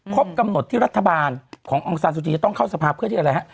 ครบกำหนดที่รัฐบาลขององซานซูจีจะต้องเข้าสภาเพื่อที่อะไรฮะ